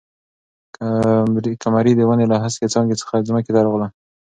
قمري د ونې له هسکې څانګې څخه ځمکې ته راغله.